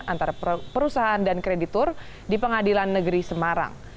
antara perusahaan dan kreditur di pengadilan negeri semarang